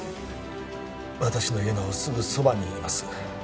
私の家のすぐそばにいます